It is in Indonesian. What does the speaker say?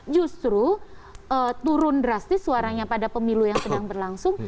justru turun drastis suaranya pada pemilu yang sedang berlangsung